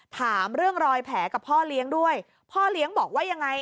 ถามเรื่องรอยแผลกับพ่อเลี้ยงด้วยพ่อเลี้ยงบอกว่ายังไง